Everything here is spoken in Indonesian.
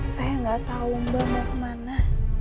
saya gak tau mbak mau kemana